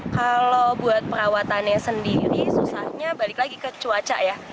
kalau buat perawatannya sendiri susahnya balik lagi ke cuaca ya